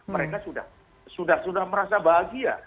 mereka sudah merasa bahagia